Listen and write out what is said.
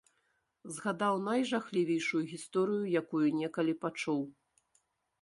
Згадаў найжахлівейшую гісторыю, якую некалі пачуў.